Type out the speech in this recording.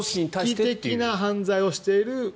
組織的な犯罪をしている。